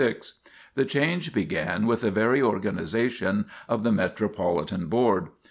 The change began with the very organization of the Metropolitan Board.